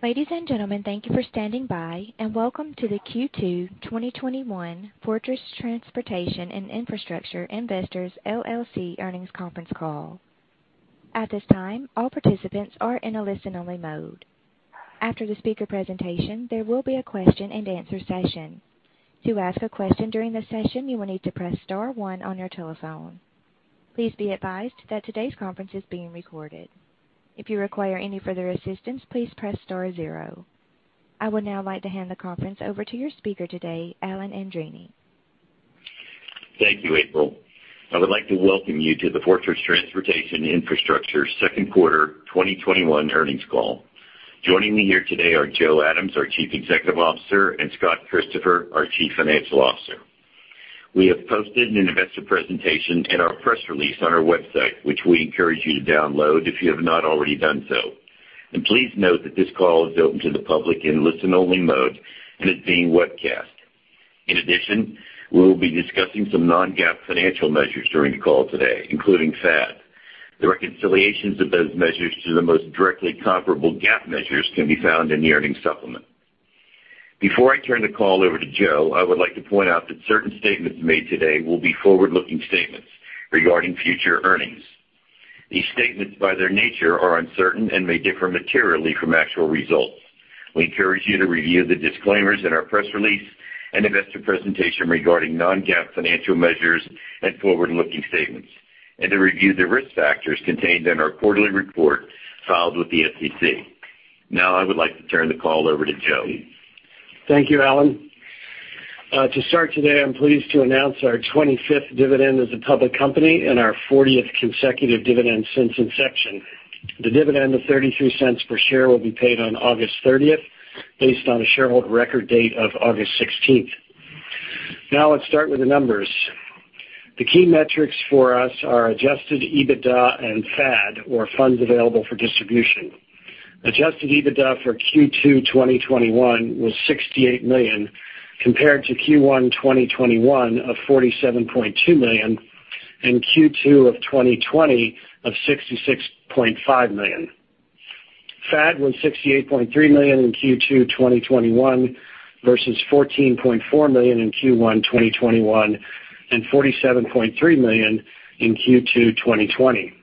Ladies and gentlemen, thank you for standing by, and welcome to the Q2 2021 Fortress Transportation and Infrastructure Investors LLC earnings conference call. At this time, all participants are in a listen-only mode. After the speaker presentation, there will be a question-and-answer session. To ask a question during the session, you will need to press star one on your telephone. Please be advised that today's conference is being recorded. If you require any further assistance, please press star zero. I would now like to hand the conference over to your speaker today, Alan Andreini. Thank you, April. I would like to welcome you to the Fortress Transportation and Infrastructure second quarter 2021 earnings call. Joining me here today are Joe Adams, our Chief Executive Officer, and Scott Christopher, our Chief Financial Officer. We have posted an investor presentation and our press release on our website, which we encourage you to download if you have not already done so. And please note that this call is open to the public in listen-only mode and is being webcast. In addition, we will be discussing some non-GAAP financial measures during the call today, including FADs. The reconciliations of those measures to the most directly comparable GAAP measures can be found in the earnings supplement. Before I turn the call over to Joe, I would like to point out that certain statements made today will be forward-looking statements regarding future earnings. These statements, by their nature, are uncertain and may differ materially from actual results. We encourage you to review the disclaimers in our press release and investor presentation regarding non-GAAP financial measures and forward-looking statements, and to review the risk factors contained in our quarterly report filed with the SEC. Now, I would like to turn the call over to Joe. Thank you, Alan. To start today, I'm pleased to announce our 25th dividend as a public company and our 40th consecutive dividend since inception. The dividend of $0.33 per share will be paid on August 30th based on a shareholder record date of August 16th. Now, let's start with the numbers. The key metrics for us are Adjusted EBITDA and FAD, or funds available for distribution. Adjusted EBITDA for Q2 2021 was $68 million compared to Q1 2021 of $47.2 million and Q2 of 2020 of $66.5 million. FAD was $68.3 million in Q2 2021 versus $14.4 million in Q1 2021 and $47.3 million in Q2 2020.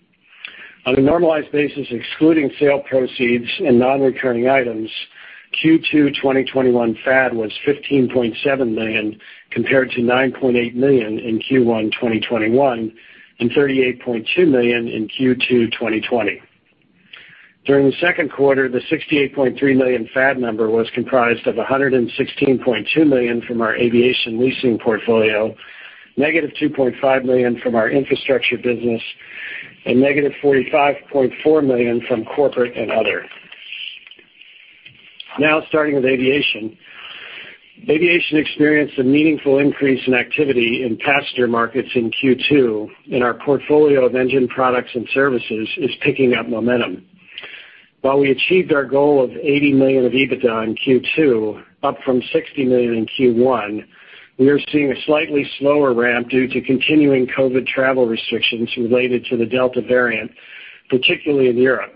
On a normalized basis, excluding sale proceeds and non-recurring items, Q2 2021 FAD was $15.7 million compared to $9.8 million in Q1 2021 and $38.2 million in Q2 2020. During the second quarter, the $68.3 million FAD number was comprised of $116.2 million from our aviation leasing portfolio, negative $2.5 million from our infrastructure business, and negative $45.4 million from corporate and other. Now, starting with aviation, aviation experienced a meaningful increase in activity in passenger markets in Q2, and our portfolio of engine products and services is picking up momentum. While we achieved our goal of $80 million of EBITDA in Q2, up from $60 million in Q1, we are seeing a slightly slower ramp due to continuing COVID travel restrictions related to the Delta variant, particularly in Europe.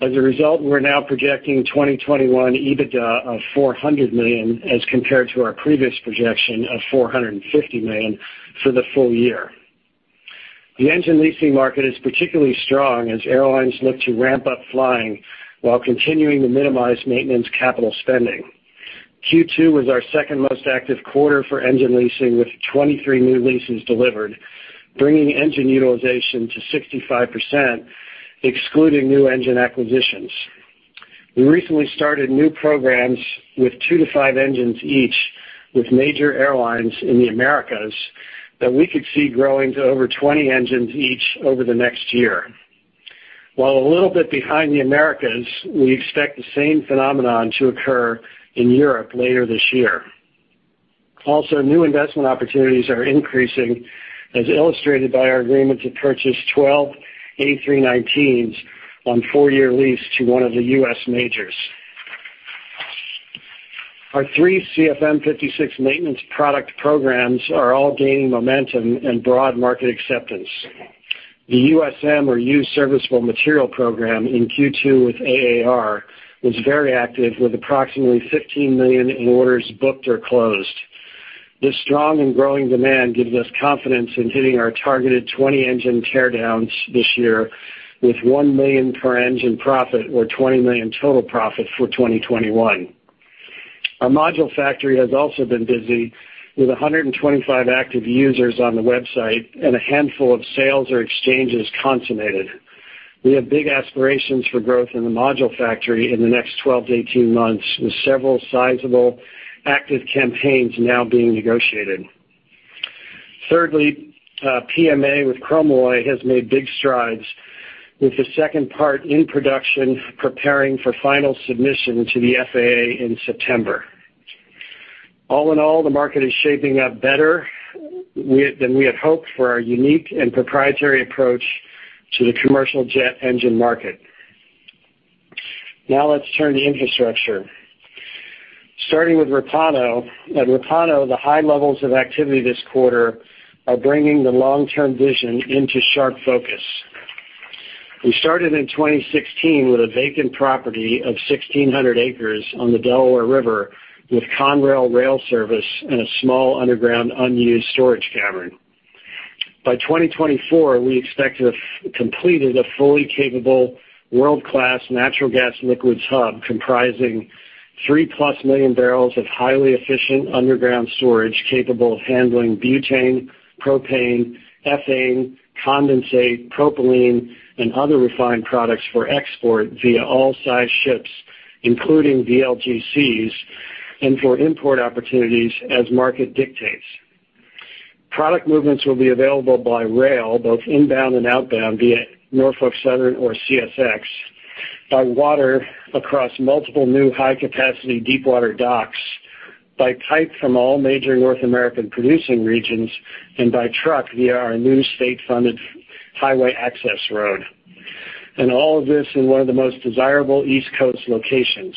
As a result, we're now projecting 2021 EBITDA of $400 million as compared to our previous projection of $450 million for the full year. The engine leasing market is particularly strong as airlines look to ramp up flying while continuing to minimize maintenance capital spending. Q2 was our second most active quarter for engine leasing, with 23 new leases delivered, bringing engine utilization to 65%, excluding new engine acquisitions. We recently started new programs with two to five engines each with major airlines in the Americas that we could see growing to over 20 engines each over the next year. While a little bit behind the Americas, we expect the same phenomenon to occur in Europe later this year. Also, new investment opportunities are increasing, as illustrated by our agreement to purchase 12 A319s on four-year lease to one of the U.S. majors. Our three CFM56 maintenance product programs are all gaining momentum and broad market acceptance. The USM, or Used Serviceable Material program, in Q2 with AAR was very active, with approximately $15 million in orders booked or closed. This strong and growing demand gives us confidence in hitting our targeted 20 engine teardowns this year, with $1 million per engine profit or $20 million total profit for 2021. Our Module Factory has also been busy, with 125 active users on the website and a handful of sales or exchanges consummated. We have big aspirations for growth in the Module Factory in the next 12 to 18 months, with several sizable active campaigns now being negotiated. Thirdly, PMA with Chromalloy has made big strides, with the second part in production preparing for final submission to the FAA in September. All in all, the market is shaping up better than we had hoped for our unique and proprietary approach to the commercial jet engine market. Now, let's turn to infrastructure. Starting with Repauno, at Repauno, the high levels of activity this quarter are bringing the long-term vision into sharp focus. We started in 2016 with a vacant property of 1,600 acres on the Delaware River with Conrail Rail Service and a small underground unused storage cavern. By 2024, we expect to have completed a fully capable world-class natural gas liquids hub comprising 3 plus million barrels of highly efficient underground storage capable of handling butane, propane, ethane, condensate, propylene, and other refined products for export via all size ships, including VLGCs, and for import opportunities as market dictates. Product movements will be available by rail, both inbound and outbound, via Norfolk Southern or CSX, by water across multiple new high-capacity deep-water docks, by pipe from all major North American producing regions, and by truck via our new state-funded highway access road, and all of this in one of the most desirable East Coast locations.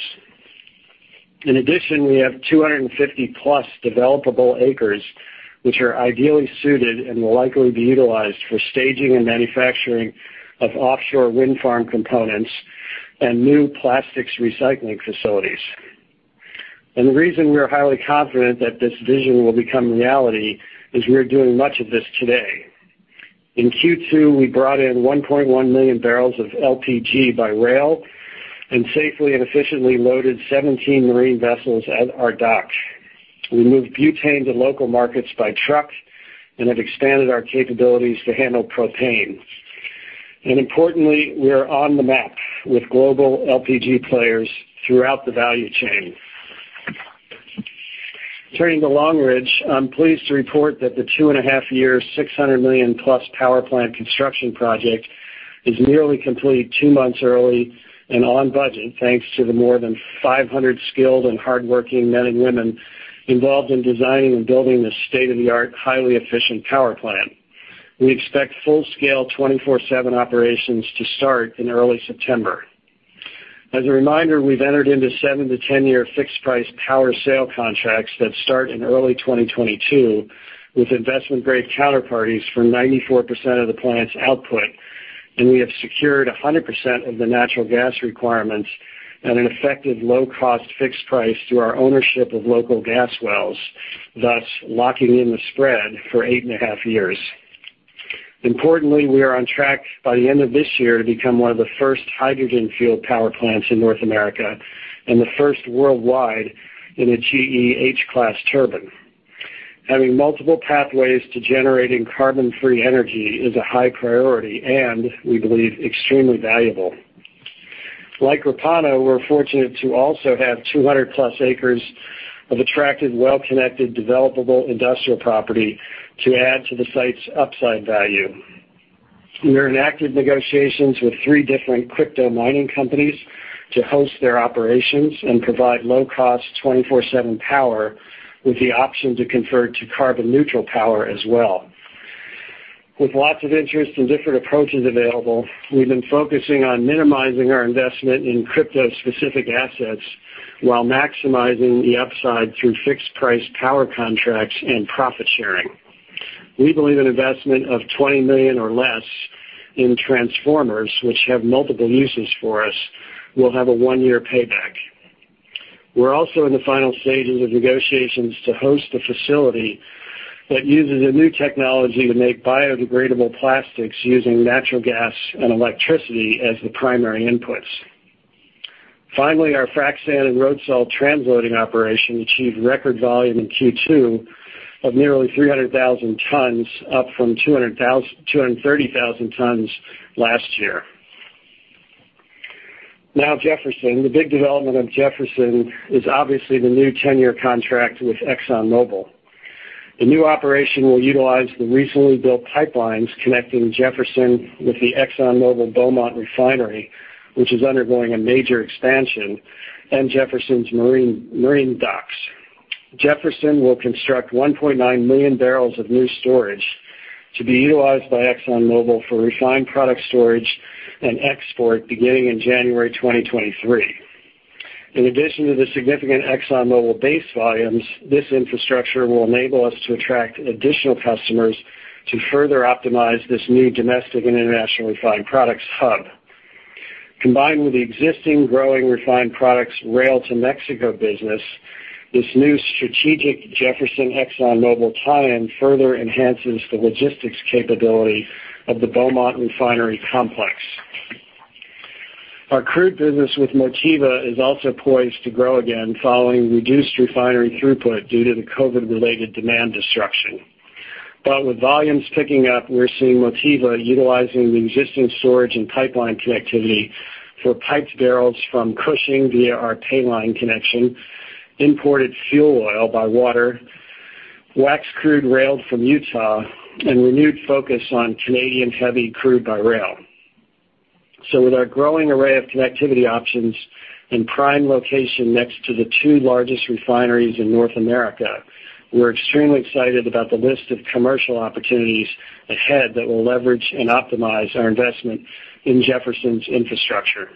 In addition, we have 250-plus developable acres, which are ideally suited and will likely be utilized for staging and manufacturing of offshore wind farm components and new plastics recycling facilities, and the reason we are highly confident that this vision will become reality is we're doing much of this today. In Q2, we brought in 1.1 million barrels of LPG by rail and safely and efficiently loaded 17 marine vessels at our dock. We moved butane to local markets by truck and have expanded our capabilities to handle propane, and importantly, we are on the map with global LPG players throughout the value chain. Turning to Long Ridge, I'm pleased to report that the two-and-a-half-year, $600 million-plus power plant construction project is nearly complete two months early and on budget, thanks to the more than 500 skilled and hardworking men and women involved in designing and building this state-of-the-art, highly efficient power plant. We expect full-scale 24/7 operations to start in early September. As a reminder, we've entered into 7- to 10-year fixed-price power sale contracts that start in early 2022 with investment-grade counterparties for 94% of the plant's output, and we have secured 100% of the natural gas requirements at an effective, low-cost fixed price through our ownership of local gas wells, thus locking in the spread for eight and a half years. Importantly, we are on track, by the end of this year, to become one of the first hydrogen-fueled power plants in North America and the first worldwide in a GE H-class turbine. Having multiple pathways to generating carbon-free energy is a high priority and, we believe, extremely valuable. Like Repauno, we're fortunate to also have 200-plus acres of attractive, well-connected, developable industrial property to add to the site's upside value. We are in active negotiations with three different crypto mining companies to host their operations and provide low-cost 24/7 power with the option to convert to carbon-neutral power as well. With lots of interest and different approaches available, we've been focusing on minimizing our investment in crypto-specific assets while maximizing the upside through fixed-price power contracts and profit sharing. We believe an investment of $20 million or less in transformers, which have multiple uses for us, will have a one-year payback. We're also in the final stages of negotiations to host the facility that uses a new technology to make biodegradable plastics using natural gas and electricity as the primary inputs. Finally, our frac sand and road salt transloading operation achieved record volume in Q2 of nearly 300,000 tons, up from 230,000 tons last year. Now, Jefferson, the big development of Jefferson is obviously the new 10-year contract with ExxonMobil. The new operation will utilize the recently built pipelines connecting Jefferson with the ExxonMobil Beaumont refinery, which is undergoing a major expansion, and Jefferson's marine docks. Jefferson will construct 1.9 million barrels of new storage to be utilized by ExxonMobil for refined product storage and export beginning in January 2023. In addition to the significant ExxonMobil base volumes, this infrastructure will enable us to attract additional customers to further optimize this new domestic and international refined products hub. Combined with the existing growing refined products rail-to-Mexico business, this new strategic Jefferson-ExxonMobil tie-in further enhances the logistics capability of the Beaumont refinery complex. Our crude business with Motiva is also poised to grow again following reduced refinery throughput due to the COVID-related demand disruption. But with volumes picking up, we're seeing Motiva utilizing the existing storage and pipeline connectivity for piped barrels from Cushing via our pipeline connection, imported fuel oil by water, waxy crude railed from Utah, and renewed focus on Canadian heavy crude by rail, so with our growing array of connectivity options and prime location next to the two largest refineries in North America, we're extremely excited about the list of commercial opportunities ahead that will leverage and optimize our investment in Jefferson's infrastructure.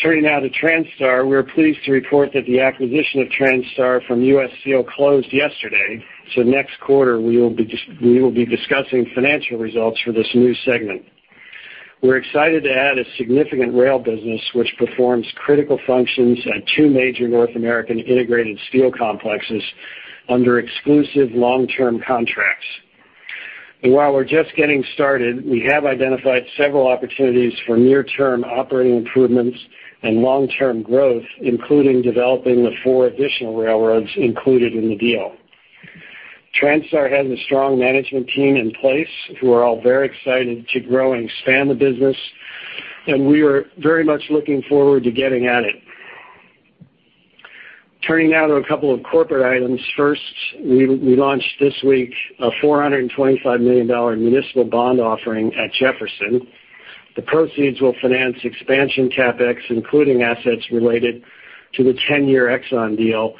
Turning now to Transtar, we're pleased to report that the acquisition of Transtar from U.S. Steel closed yesterday, so next quarter we will be discussing financial results for this new segment. We're excited to add a significant rail business which performs critical functions at two major North American integrated steel complexes under exclusive long-term contracts, and while we're just getting started, we have identified several opportunities for near-term operating improvements and long-term growth, including developing the four additional railroads included in the deal. Transtar has a strong management team in place who are all very excited to grow and expand the business, and we are very much looking forward to getting at it. Turning now to a couple of corporate items. First, we launched this week a $425 million municipal bond offering at Jefferson. The proceeds will finance expansion CapEx, including assets related to the 10-year Exxon deal,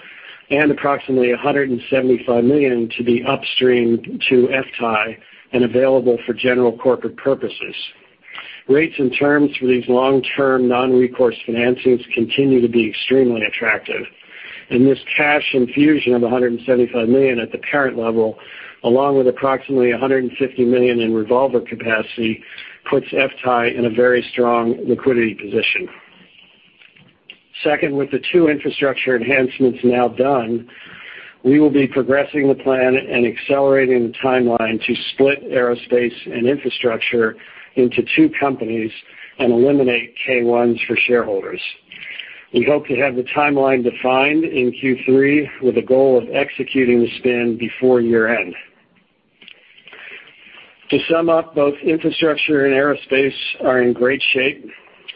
and approximately $175 million to be upstream to FTAI and available for general corporate purposes. Rates and terms for these long-term non-recourse financings continue to be extremely attractive. This cash infusion of $175 million at the parent level, along with approximately $150 million in revolver capacity, puts FTAI in a very strong liquidity position. Second, with the two infrastructure enhancements now done, we will be progressing the plan and accelerating the timeline to split aerospace and infrastructure into two companies and eliminate K-1s for shareholders. We hope to have the timeline defined in Q3 with a goal of executing the spin before year-end. To sum up, both infrastructure and aerospace are in great shape.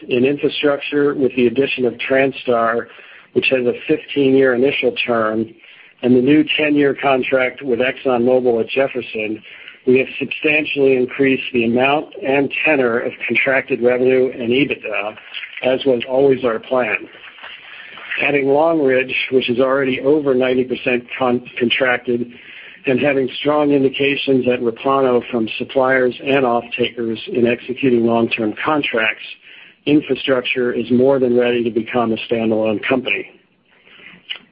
In infrastructure, with the addition of Transtar, which has a 15-year initial term, and the new 10-year contract with ExxonMobil at Jefferson, we have substantially increased the amount and tenor of contracted revenue and EBITDA, as was always our plan. Adding Long Ridge, which is already over 90% contracted, and having strong indications at Repauno from suppliers and off-takers in executing long-term contracts, infrastructure is more than ready to become a standalone company.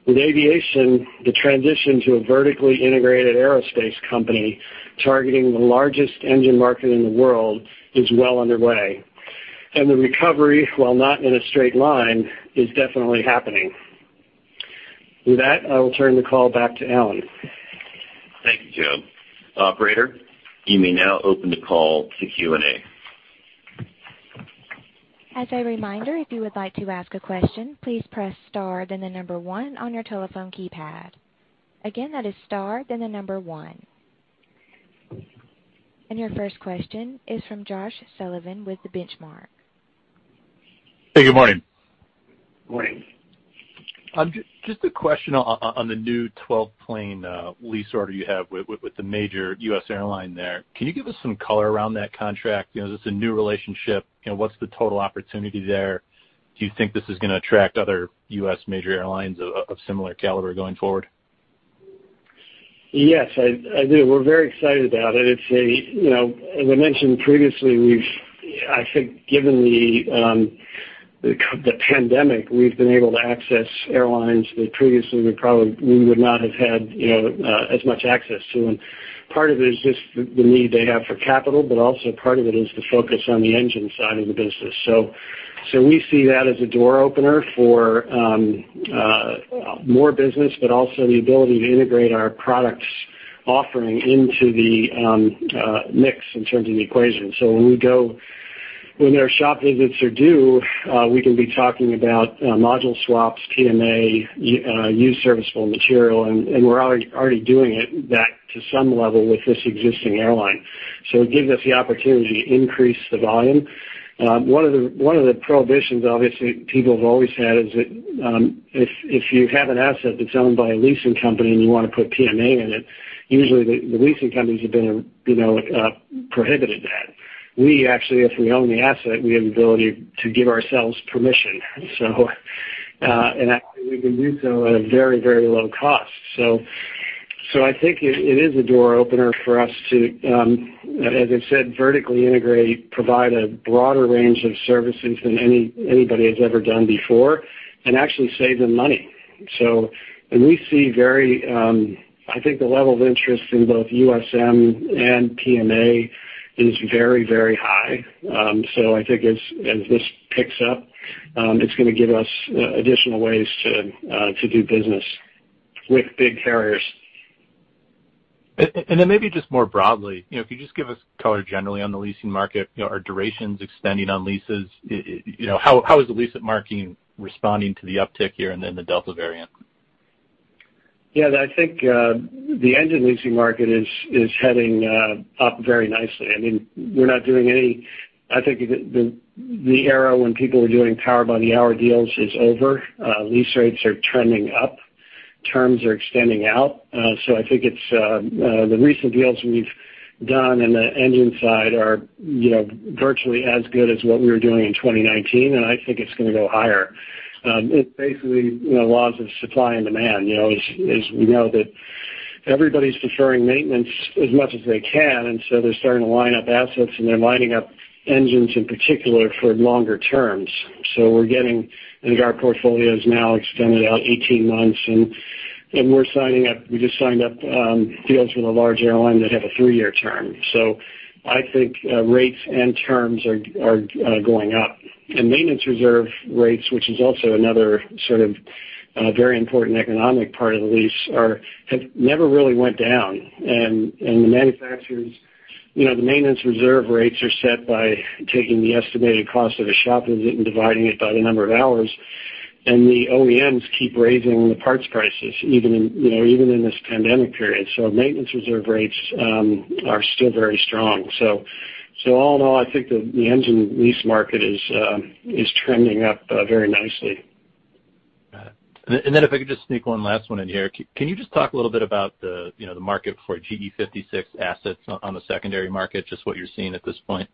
With aviation, the transition to a vertically integrated aerospace company targeting the largest engine market in the world is well underway. The recovery, while not in a straight line, is definitely happening. With that, I will turn the call back to Alan. Thank you, Joe. Operator, you may now open the call to Q&A. As a reminder, if you would like to ask a question, please press star then the number one on your telephone keypad. Again, that is star, then the number one. And your first question is from Josh Sullivan with The Benchmark. Hey, good morning. Morning. Just a question on the new 12-plane lease order you have with the major U.S. airline there. Can you give us some color around that contract? Is this a new relationship? What's the total opportunity there? Do you think this is going to attract other U.S. major airlines of similar caliber going forward? Yes, I do. We're very excited about it. As I mentioned previously, I think given the pandemic, we've been able to access airlines that previously we probably would not have had as much access to. And part of it is just the need they have for capital, but also part of it is the focus on the engine side of the business. So we see that as a door opener for more business, but also the ability to integrate our product offering into the mix in terms of the equation. So when their shop visits are due, we can be talking about module swaps, PMA, used serviceable material, and we're already doing it to some level with this existing airline. So it gives us the opportunity to increase the volume. One of the prohibitions, obviously, people have always had, is that if you have an asset that's owned by a leasing company and you want to put PMA in it, usually the leasing companies have been prohibited that. We actually, if we own the asset, we have the ability to give ourselves permission. And actually, we can do so at a very, very low cost. So I think it is a door opener for us to, as I said, vertically integrate, provide a broader range of services than anybody has ever done before, and actually save them money. And we see very, I think, the level of interest in both USM and PMA is very, very high. So I think as this picks up, it's going to give us additional ways to do business with big carriers. And then maybe just more broadly, if you just give us color generally on the leasing market, how are durations extending on leases, how is the leasing market responding to the uptick here and then the Delta variant? Yeah, I think the engine leasing market is heading up very nicely. I mean, we're not doing any. I think the era when people were doing power by the hour deals is over. Lease rates are trending up. Terms are extending out. So I think the recent deals we've done in the engine side are virtually as good as what we were doing in 2019, and I think it's going to go higher. It's basically laws of supply and demand. As we know, everybody's deferring maintenance as much as they can, and so they're starting to line up assets, and they're lining up engines in particular for longer terms. So we're getting our portfolios now extended out 18 months, and we're signing up. We just signed up deals with a large airline that have a three-year term. So I think rates and terms are going up. And maintenance reserve rates, which is also another sort of very important economic part of the lease, have never really went down. And the manufacturers, the maintenance reserve rates are set by taking the estimated cost of a shop visit and dividing it by the number of hours, and the OEMs keep raising the parts prices, even in this pandemic period. So maintenance reserve rates are still very strong. All in all, I think the engine lease market is trending up very nicely. And then if I could just sneak one last one in here, can you just talk a little bit about the market for CFM56 assets on the secondary market, just what you're seeing at this point?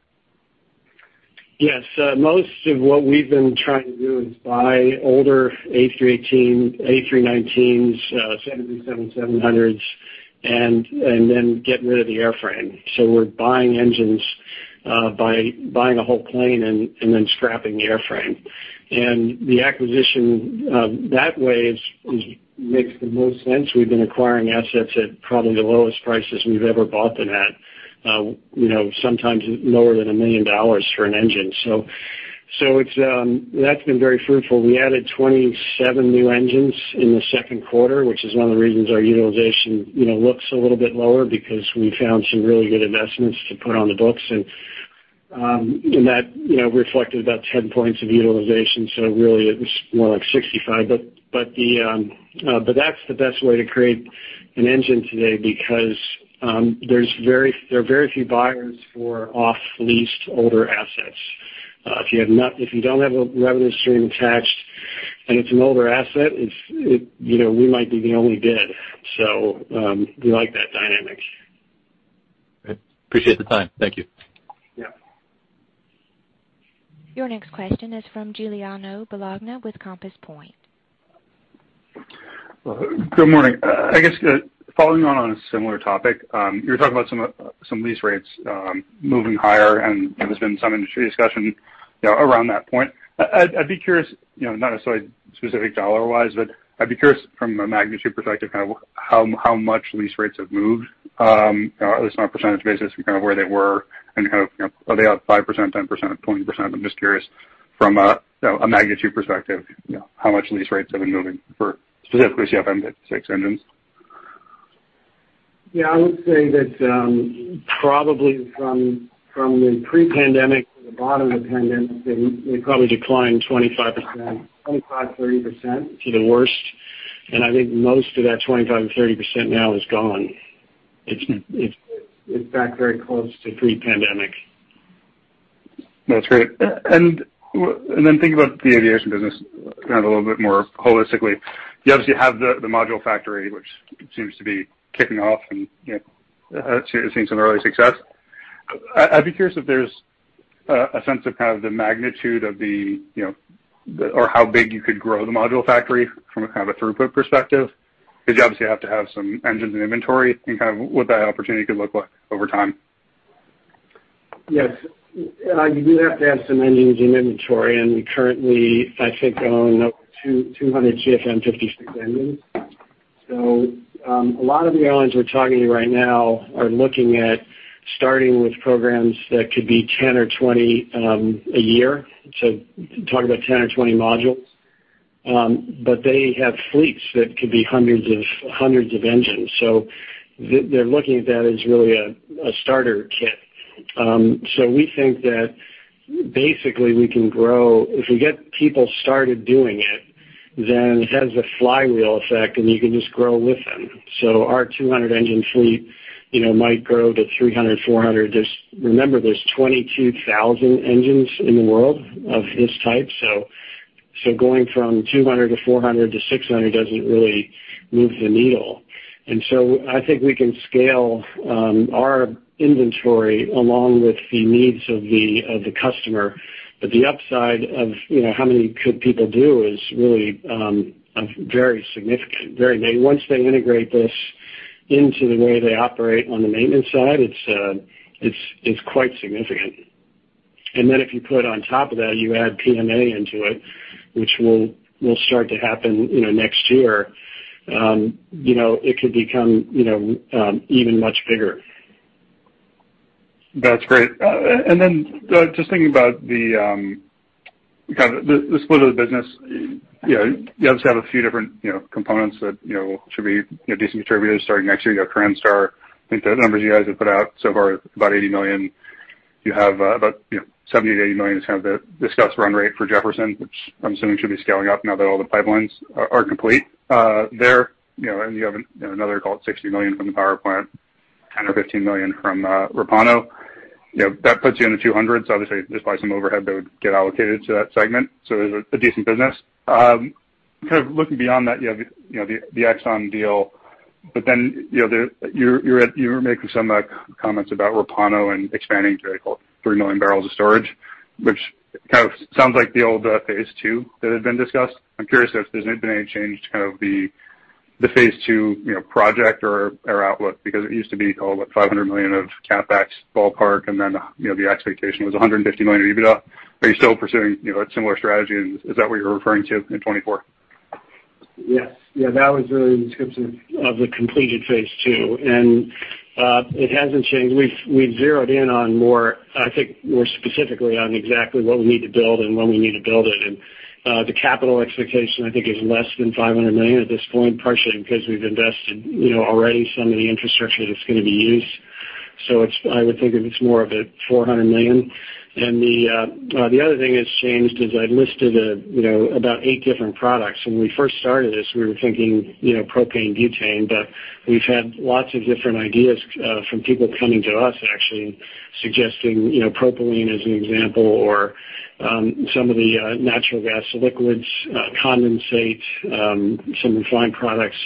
Yes. Most of what we've been trying to do is buy older A318s, A319s, 737-700s, and then get rid of the airframe. We're buying engines by buying a whole plane and then scrapping the airframe. And the acquisition that way makes the most sense. We've been acquiring assets at probably the lowest prices we've ever bought them at, sometimes lower than $1 million for an engine. That's been very fruitful. We added 27 new engines in the second quarter, which is one of the reasons our utilization looks a little bit lower because we found some really good investments to put on the books. And that reflected about 10 points of utilization. So really, it was more like 65. But that's the best way to create an engine today because there are very few buyers for off-leased older assets. If you don't have a revenue stream attached and it's an older asset, we might be the only bid. So we like that dynamic. Appreciate the time. Thank you. Your next question is from Giuliano Bologna with Compass Point. Good morning. I guess following on a similar topic, you were talking about some lease rates moving higher, and there's been some industry discussion around that point. I'd be curious, not necessarily specific dollar-wise, but I'd be curious from a magnitude perspective kind of how much lease rates have moved, at least on a percentage basis, kind of where they were, and kind of are they up 5%, 10%, 20%? I'm just curious from a magnitude perspective how much lease rates have been moving for specifically CFM56 engines. Yeah, I would say that probably from the pre-pandemic to the bottom of the pandemic, they probably declined 25%-30% to the worst. And I think most of that 25%-30% now is gone. It's back very close to pre-pandemic. That's great. And then think about the aviation business kind of a little bit more holistically. You obviously have the Module Factory, which seems to be kicking off and seeing some early success. I'd be curious if there's a sense of kind of the magnitude of how big you could grow the Module Factory from a kind of a throughput perspective. Because you obviously have to have some engines in inventory and kind of what that opportunity could look like over time. Yes. You do have to have some engines in inventory, and we currently, I think, own 200 CFM56 engines. So a lot of the airlines we're talking to right now are looking at starting with programs that could be 10 or 20 a year. So talking about 10 or 20 modules. But they have fleets that could be hundreds of engines. So they're looking at that as really a starter kit. So we think that basically we can grow if we get people started doing it, then it has a flywheel effect, and you can just grow with them. So our 200 engine fleet might grow to 300-400. Remember, there's 22,000 engines in the world of this type. So going from 200 to 400 to 600 doesn't really move the needle. And so I think we can scale our inventory along with the needs of the customer. But the upside of how many could people do is really very significant. Once they integrate this into the way they operate on the maintenance side, it's quite significant. And then if you put on top of that, you add PMA into it, which will start to happen next year, it could become even much bigger. That's great. Then just thinking about the split of the business, you obviously have a few different components that should be decent contributors starting next year. You have Transtar. I think the numbers you guys have put out so far are about $80 million. You have about $70-$80 million is kind of the discussed run rate for Jefferson, which I'm assuming should be scaling up now that all the pipelines are complete there. And you have another call at $60 million from the power plant, $10 million or $15 million from Repauno. That puts you in the $200s. Obviously, there's probably some overhead that would get allocated to that segment. So it's a decent business. Kind of looking beyond that, you have the Exxon deal. But then you were making some comments about Repauno and expanding to 3 million barrels of storage, which kind of sounds like the old phase II that had been discussed. I'm curious if there's been any change to kind of the phase II project or outlook because it used to be called $500 million of CapEx ballpark, and then the expectation was $150 million of EBITDA. Are you still pursuing a similar strategy? Is that what you're referring to in 2024? Yes. Yeah, that was really the description of the completed phase II. And it hasn't changed. We've zeroed in on more, I think more specifically on exactly what we need to build and when we need to build it. And the capital expectation, I think, is less than $500 million at this point, partially because we've invested already some of the infrastructure that's going to be used. So I would think of it as more of a $400 million. And the other thing that's changed is I listed about eight different products. When we first started this, we were thinking propane butane, but we've had lots of different ideas from people coming to us actually suggesting propylene as an example or some of the natural gas liquids, condensate, some refined products.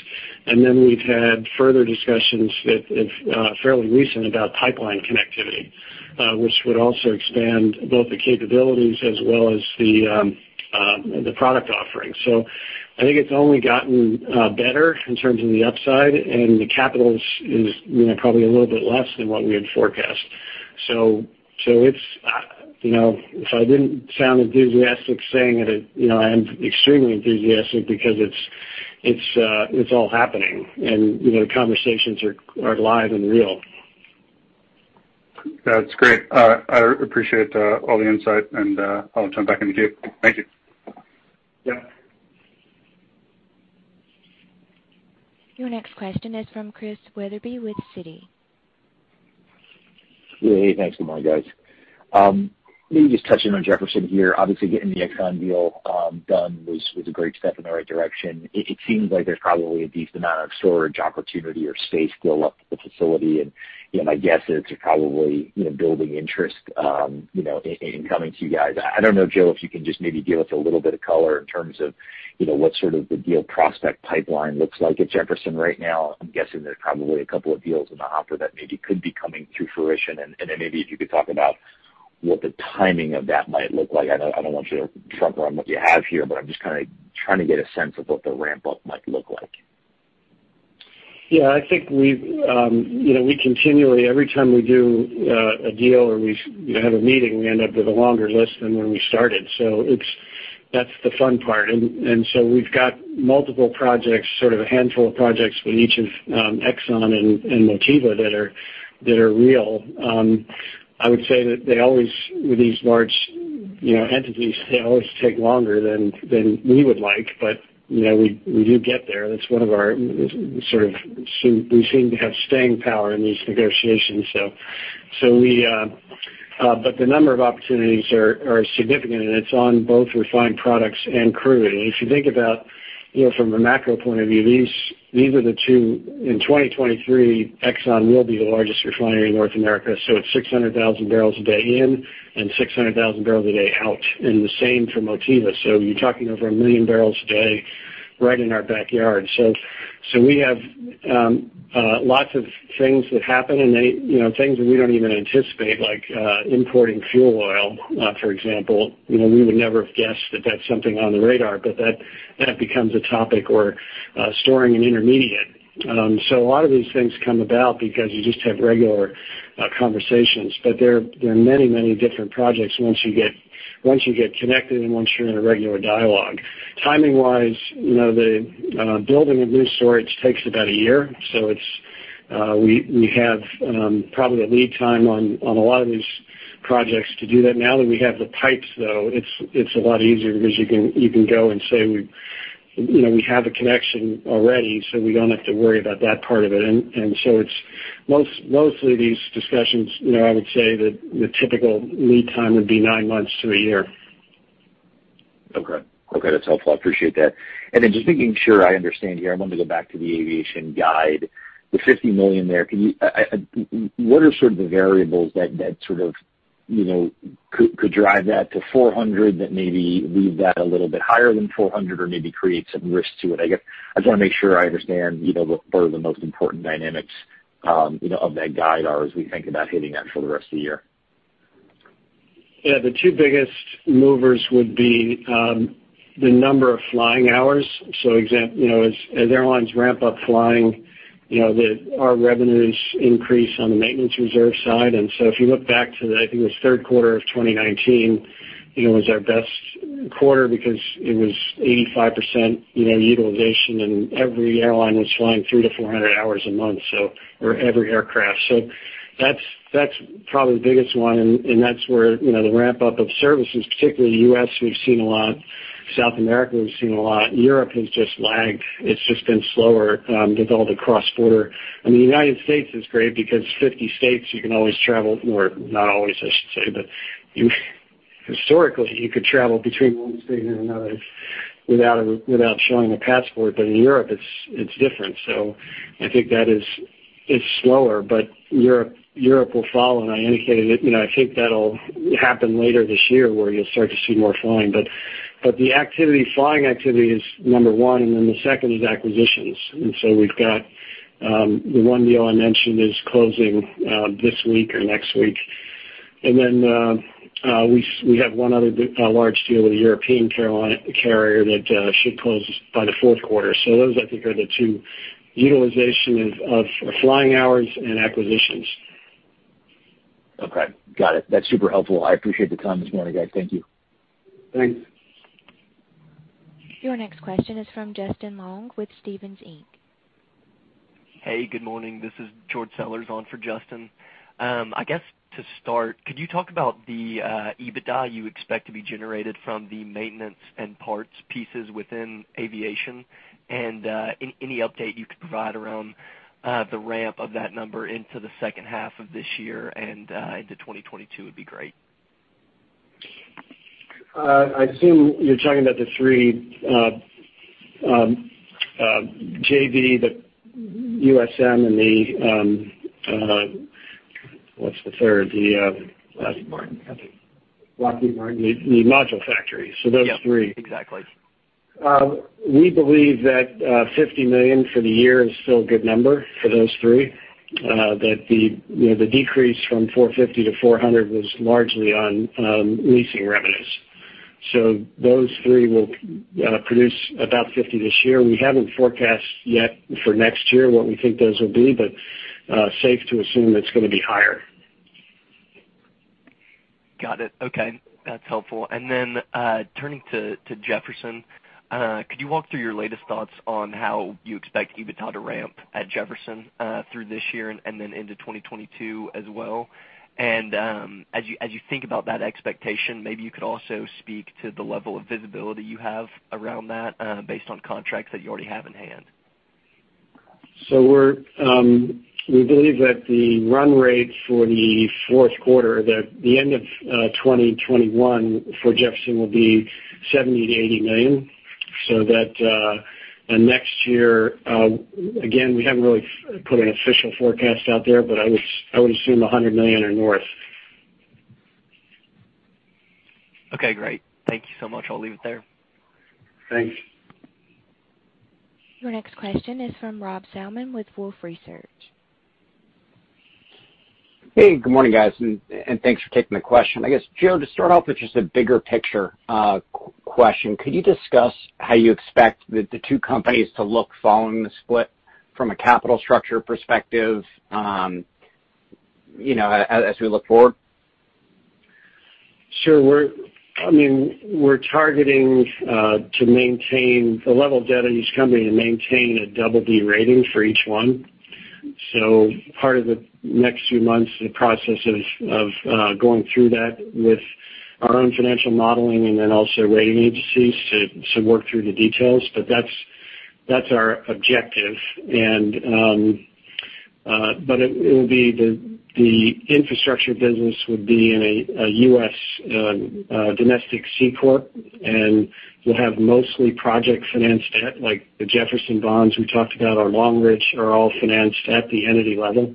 And then we've had further discussions fairly recently about pipeline connectivity, which would also expand both the capabilities as well as the product offering. So I think it's only gotten better in terms of the upside, and the capital is probably a little bit less than what we had forecast. So if I didn't sound enthusiastic saying it, I am extremely enthusiastic because it's all happening, and the conversations are live and real. That's great. I appreciate all the insight, and I'll turn it back to you. Thank you. Your next question is from Chris Weatherby with Citi. Hey, thanks so much, guys. Just touching on Jefferson here. Obviously, getting the Exxon deal done was a great step in the right direction. It seems like there's probably a decent amount of storage opportunity or space still left at the facility. And my guess is there's probably building interest in coming to you guys. I don't know, Joe, if you can just maybe give us a little bit of color in terms of what the deal prospect pipeline looks like at Jefferson right now. I'm guessing there's probably a couple of deals in the hopper that maybe could be coming to fruition. And then maybe if you could talk about what the timing of that might look like. I don't want you to trump around what you have here, but I'm just kind of trying to get a sense of what the ramp-up might look like. Yeah, I think we continually, every time we do a deal or we have a meeting, we end up with a longer list than when we started. So that's the fun part. And so we've got multiple projects, sort of a handful of projects with each of Exxon and Motiva that are real. I would say that they always, with these large entities, they always take longer than we would like, but we do get there. That's one of our sort of we seem to have staying power in these negotiations. But the number of opportunities are significant, and it's on both refined products and crude. And if you think about from a macro point of view, these are the two in 2023. Exxon will be the largest refinery in North America. So it's 600,000 barrels a day in and 600,000 barrels a day out, and the same for Motiva. So you're talking over a million barrels a day right in our backyard. So we have lots of things that happen and things that we don't even anticipate, like importing fuel oil, for example. We would never have guessed that that's something on the radar, but that becomes a topic or storing an intermediate. So a lot of these things come about because you just have regular conversations. But there are many, many different projects once you get connected and once you're in a regular dialogue. Timing-wise, the building of new storage takes about a year. So we have probably a lead time on a lot of these projects to do that. Now that we have the pipes, though, it's a lot easier because you can go and say, "We have a connection already, so we don't have to worry about that part of it." And so mostly these discussions, I would say that the typical lead time would be nine months to a year. Okay. Okay. That's helpful. I appreciate that. And then just making sure I understand here, I want to go back to the aviation guide. The $50 million there, what are sort of the variables that sort of could drive that to $400 million that maybe leave that a little bit higher than $400 million or maybe create some risk to it? I guess I just want to make sure I understand what are the most important dynamics of that guide as we think about hitting that for the rest of the year. Yeah. The two biggest movers would be the number of flying hours. So as airlines ramp up flying, our revenues increase on the maintenance reserve side. And so if you look back to the, I think it was third quarter of 2019, it was our best quarter because it was 85% utilization, and every airline was flying 300-400 hours a month or every aircraft. So that's probably the biggest one. And that's where the ramp-up of services, particularly the U.S., we've seen a lot. South America, we've seen a lot. Europe has just lagged. It's just been slower with all the cross-border. I mean, the United States is great because 50 states, you can always travel or not always, I should say, but historically, you could travel between one state and another without showing a passport. But in Europe, it's different. So I think that is slower, but Europe will follow. And I indicated that I think that'll happen later this year where you'll start to see more flying. But the activity, flying activity is number one, and then the second is acquisitions. And so we've got the one deal I mentioned is closing this week or next week. And then we have one other large deal with a European carrier that should close by the fourth quarter. So those, I think, are the two: utilization of flying hours and acquisitions. Okay. Got it. That's super helpful. I appreciate the time this morning, guys. Thank you. Thanks. Your next question is from Justin Long with Stephens Inc. Hey, good morning. This is George Sellers on for Justin. I guess to start, could you talk about the EBITDA you expect to be generated from the maintenance and parts pieces within aviation and any update you could provide around the ramp of that number into the second half of this year and into 2022 would be great. I assume you're talking about the three: JV, the USM, and the what's the third? The last one. Lockheed Martin. Lockheed Martin. The module factory. So those three. Yeah, exactly. We believe that $50 million for the year is still a good number for those three, that the decrease from $450-$400 million was largely on leasing revenues. So those three will produce about $50 million this year. We haven't forecast yet for next year what we think those will be, but it's safe to assume it's going to be higher. Got it. Okay. That's helpful. And then turning to Jefferson, could you walk through your latest thoughts on how you expect EBITDA to ramp at Jefferson through this year and then into 2022 as well? And as you think about that expectation, maybe you could also speak to the level of visibility you have around that based on contracts that you already have in hand. We believe that the run rate for the fourth quarter, the end of 2021 for Jefferson, will be $70-$80 million. So that next year, again, we haven't really put an official forecast out there, but I would assume $100 million or north. Okay. Great. Thank you so much. I'll leave it there. Thanks. Your next question is from Rob Salmon with Wolfe Research. Hey, good morning, guys. And thanks for taking the question. I guess, Joe, to start off with just a bigger picture question, could you discuss how you expect the two companies to look following the split from a capital structure perspective as we look forward? Sure. I mean, we're targeting to maintain the level of leverage that we're just coming to maintain a BB rating for each one. So part of the next few months is a process of going through that with our own financial modeling and then also rating agencies to work through the details. But that's our objective. But it will be the infrastructure business would be in a U.S. domestic C Corp, and we'll have mostly project financed debt like the Jefferson bonds we talked about or Long Ridge are all financed at the entity level.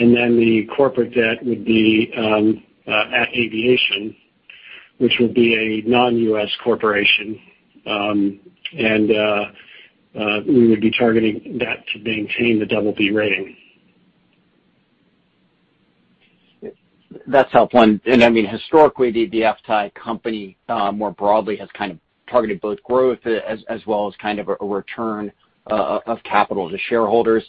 And then the corporate debt would be at aviation, which will be a non-U.S. corporation. And we would be targeting that to maintain the double B rating. That's helpful. And I mean, historically, the EBITDA company, more broadly, has kind of targeted both growth as well as kind of a return of capital to shareholders.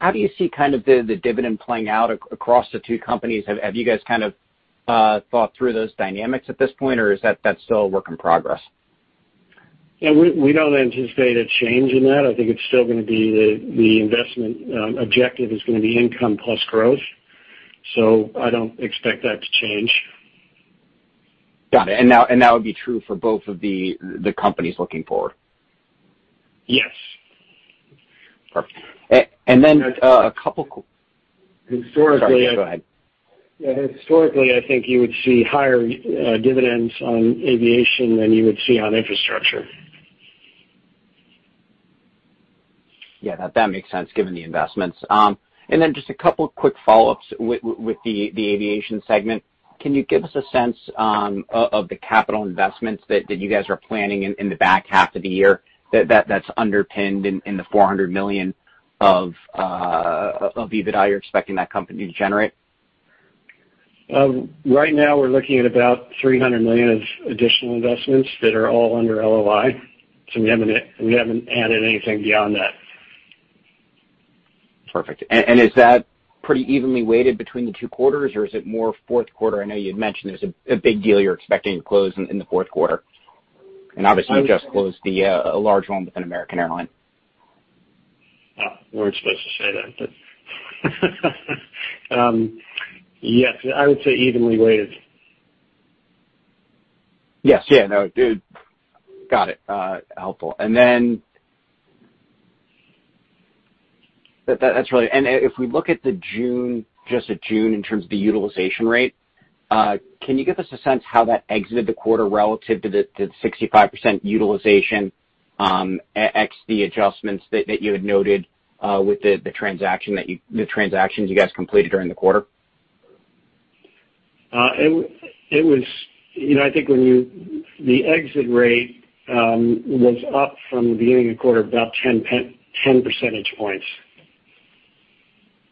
How do you see kind of the dividend playing out across the two companies? Have you guys kind of thought through those dynamics at this point, or is that still a work in progress? Yeah. We don't anticipate a change in that. I think it's still going to be the investment objective is going to be income plus growth. So I don't expect that to change. Got it. And that would be true for both of the companies looking forward? Yes. Perfect. And then a couple. Sorry. Go ahead. Yeah. Historically, I think you would see higher dividends on aviation than you would see on infrastructure. Yeah. That makes sense given the investments. And then just a couple of quick follow-ups with the aviation segment. Can you give us a sense of the capital investments that you guys are planning in the back half of the year that's underpinned in the $400 million of EBITDA you're expecting that company to generate? Right now, we're looking at about $300 million of additional investments that are all under LOI. So we haven't added anything beyond that. Perfect. And is that pretty evenly weighted between the two quarters, or is it more fourth quarter? I know you had mentioned there's a big deal you're expecting to close in the fourth quarter. And obviously, you just closed a large one with an American Airlines. We weren't supposed to say that, but yes, I would say evenly weighted. Yes. Yeah. No. Got it. Helpful. And then that's really, and if we look at the June, just the June in terms of the utilization rate, can you give us a sense how that exited the quarter relative to the 65% utilization ex adjustments that you had noted with the transactions you guys completed during the quarter? It was, I think, when you, the exit rate was up from the beginning of the quarter about 10 percentage points.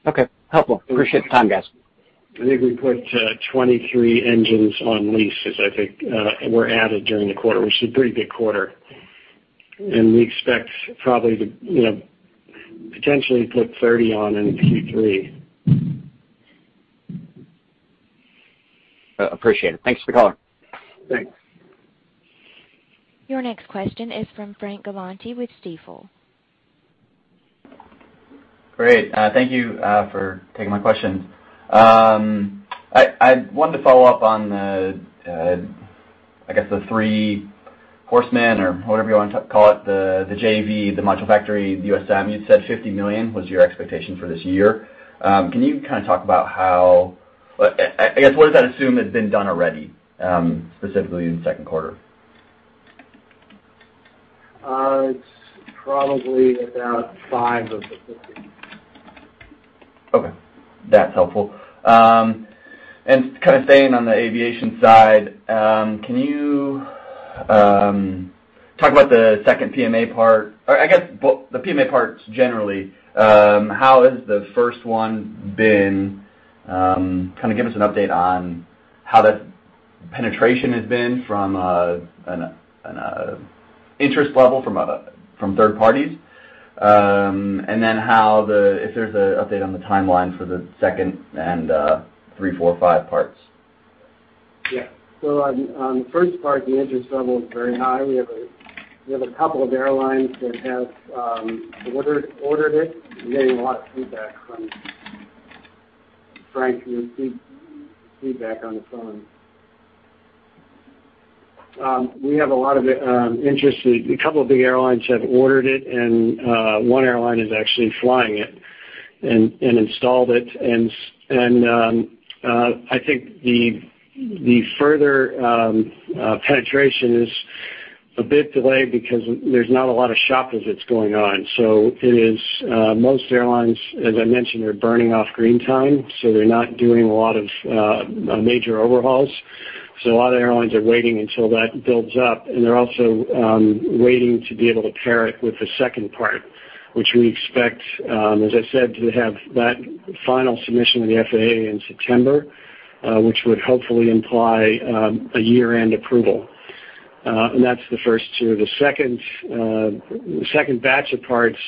Okay. Helpful. Appreciate the time, guys. I think we put 23 engines on leases, I think, were added during the quarter, which is a pretty good quarter. And we expect probably to potentially put 30 on in Q3. Appreciate it. Thanks for calling. Thanks. Your next question is from Frank Galanti with Stifel. Great. Thank you for taking my questions. I wanted to follow up on, I guess, the three horsemen or whatever you want to call it, the JV, the Module Factory, the USM. You said $50 million was your expectation for this year. Can you kind of talk about how, I guess, what does that assume has been done already, specifically in the second quarter? It's probably about five of the $50 million. Okay. That's helpful. And kind of staying on the aviation side, can you talk about the second PMA part? I guess the PMA parts generally, how has the first one been? Kind of give us an update on how that penetration has been from an interest level from third parties, and then if there's an update on the timeline for the second and three, four, five parts. Yeah. So on the first part, the interest level is very high. We have a couple of airlines that have ordered it. We're getting a lot of feedback from Frank on the phone. We have a lot of interest. A couple of big airlines have ordered it, and one airline is actually flying it and installed it, and I think the further penetration is a bit delayed because there's not a lot of shop visits going on, so most airlines, as I mentioned, are burning off green time, so they're not doing a lot of major overhauls, so a lot of airlines are waiting until that builds up, and they're also waiting to be able to pair it with the second part, which we expect, as I said, to have that final submission of the FAA in September, which would hopefully imply a year-end approval, and that's the first two. The second batch of parts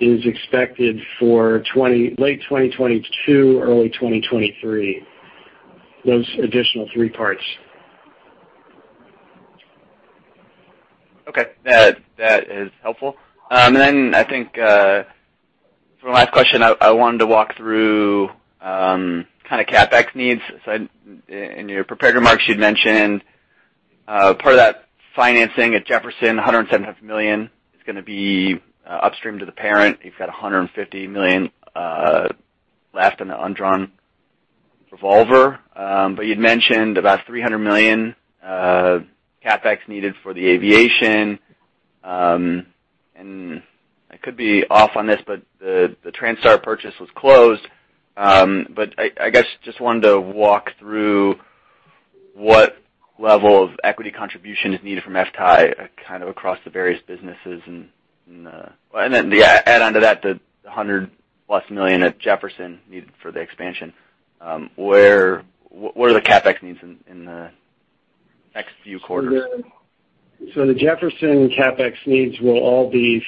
is expected for late 2022, early 2023, those additional three parts. Okay. That is helpful. And then I think for my last question, I wanted to walk through kind of CapEx needs. So in your prepared remarks, you'd mentioned part of that financing at Jefferson, $175 million is going to be upstream to the parent. You've got $150 million left on the undrawn revolver. But you'd mentioned about $300 million CapEx needed for the aviation. And I could be off on this, but the Transtar purchase was closed. But I guess just wanted to walk through what level of equity contribution is needed from FTAI kind of across the various businesses. And then yeah, add on to that, the $100 plus million at Jefferson needed for the expansion. What are the CapEx needs in the next few quarters? So the Jefferson CapEx needs will all be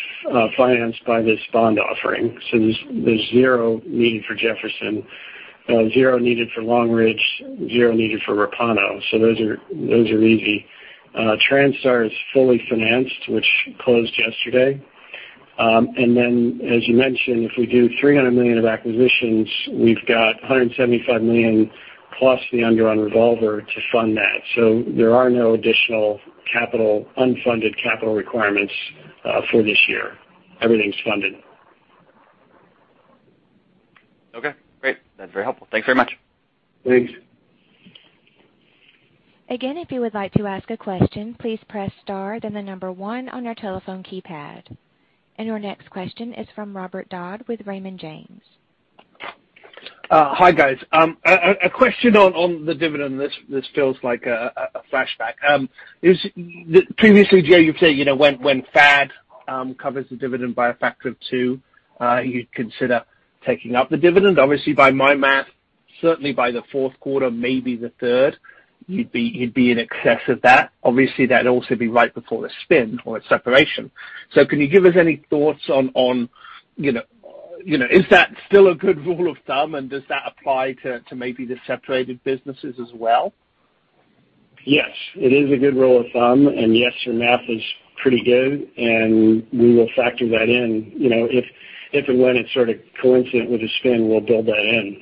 financed by this bond offering. So there's zero needed for Jefferson, zero needed for Long Ridge, zero needed for Repauno. So those are easy. Transtar is fully financed, which closed yesterday. And then, as you mentioned, if we do $300 million of acquisitions, we've got $175 million plus the undrawn revolver to fund that. So there are no additional unfunded capital requirements for this year. Everything's funded. Okay. Great. That's very helpful. Thanks very much. Thanks. Again, if you would like to ask a question, please press star, then the number one on your telephone keypad. And your next question is from Robert Dodd with Raymond James. Hi, guys. A question on the dividend. This feels like a flashback. Previously, Joe, you've said when FAD covers the dividend by a factor of two, you'd consider taking up the dividend. Obviously, by my math, certainly by the fourth quarter, maybe the third, you'd be in excess of that. Obviously, that'd also be right before the spin or its separation. So can you give us any thoughts on is that still a good rule of thumb, and does that apply to maybe the separated businesses as well? Yes. It is a good rule of thumb. And yes, your math is pretty good. And we will factor that in. If and when it's sort of coincident with the spin, we'll build that in.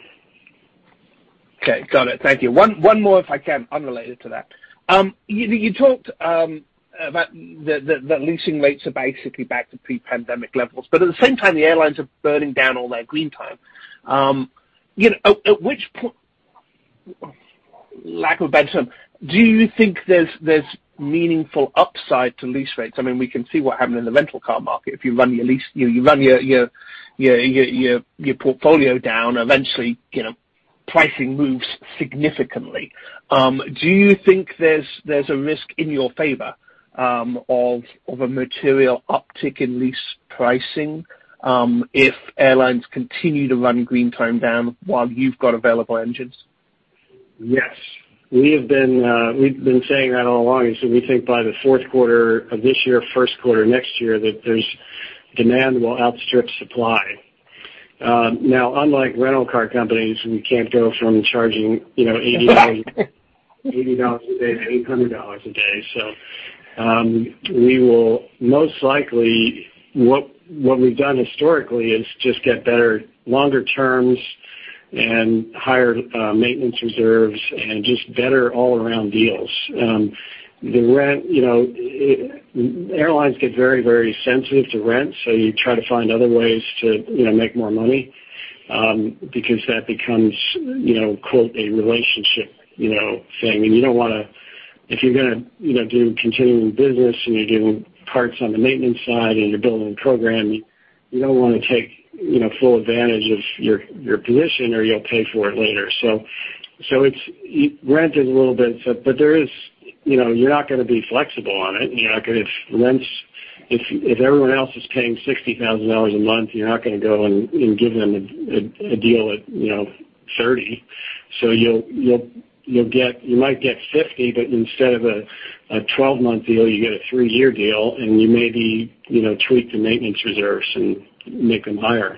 Okay. Got it. Thank you. One more, if I can, unrelated to that. You talked about the leasing rates are basically back to pre-pandemic levels. But at the same time, the airlines are burning down all their green time. At which point, lack of a better term, do you think there's meaningful upside to lease rates? I mean, we can see what happened in the rental car market. If you run your lease, you run your portfolio down, eventually, pricing moves significantly. Do you think there's a risk in your favor of a material uptick in lease pricing if airlines continue to run green time down while you've got available engines? Yes. We've been saying that all along. So we think by the fourth quarter of this year, first quarter next year, that demand will outstrip supply. Now, unlike rental car companies, we can't go from charging $80 a day to $800 a day. So we will most likely, what we've done historically is just get better longer terms and higher maintenance reserves and just better all-around deals. The rent, airlines get very, very sensitive to rent, so you try to find other ways to make more money because that becomes, quote, a relationship thing. And you don't want to, if you're going to do continuing business and you're doing parts on the maintenance side and you're building a program, you don't want to take full advantage of your position or you'll pay for it later. So rent is a little bit, but there is, you're not going to be flexible on it. If everyone else is paying $60,000 a month, you're not going to go and give them a deal at $30,000. So you might get $50,000, but instead of a 12-month deal, you get a three-year deal, and you maybe tweak the maintenance reserves and make them higher.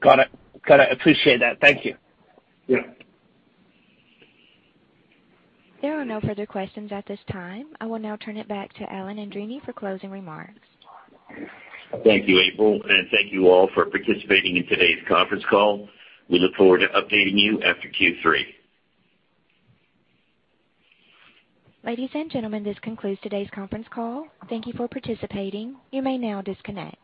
Got it. Got it. Appreciate that. Thank you. Yeah. There are no further questions at this time. I will now turn it back to Alan Andreini for closing remarks. Thank you, April, and thank you all for participating in today's conference call. We look forward to updating you after Q3. Ladies and gentlemen, this concludes today's conference call. Thank you for participating. You may now disconnect.